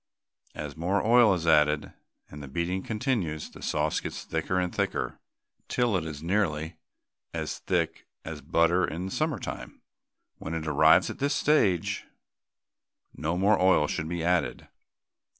As more oil is added, and the beating continues, the sauce gets thicker and thicker, till it is nearly as thick as butter in summer time. When it arrives at this stage no more oil should be added.